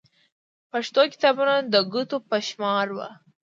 پښتو کتابونه د ګوتو په شمار وو.